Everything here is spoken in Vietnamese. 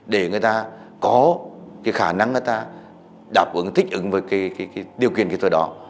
để người ta có cái khả năng người ta đạp ứng thích ứng với cái điều quyền kịp thời đó